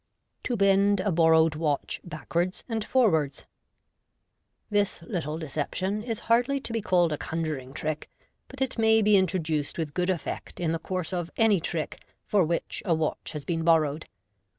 To Bend a Borrowed Watch Backwards and Forwards. —This little deception is hardly to be called a conjnring trick, but it may be introduced with good effect in the course of any trick foi which a watch has been borrowed.